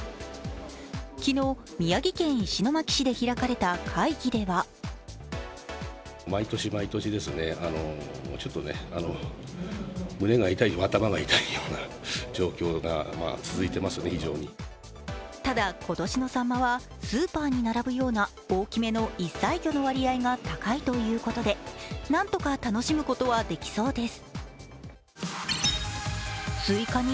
昨日、宮城県石巻市で開かれた会議ではただ、今年のさんまはスーパーに並ぶような大きめの１歳魚の割合が高いということでなんとか楽しむことはできそうです。